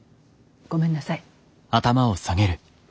ごめんなさい。